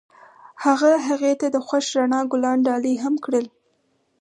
هغه هغې ته د خوښ رڼا ګلان ډالۍ هم کړل.